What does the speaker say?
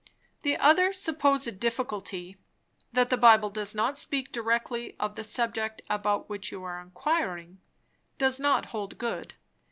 The other supposed difficulty, that the Bible does not speak directly of the subject about which you are inquiring, does not hold good.